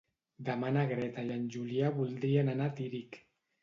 Demà na Greta i en Julià voldrien anar a Tírig.